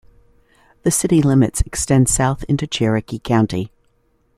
The city limits extend south into Cherokee County.